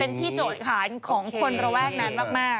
เป็นที่โจทย์ขานของคนระแวกนั้นมาก